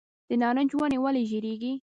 د نارنج ونې ولې ژیړیږي؟